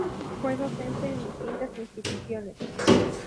Fue docente en distintas instituciones.